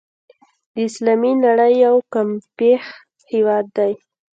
د اسلامي نړۍ یو کمپېښ هېواد دی.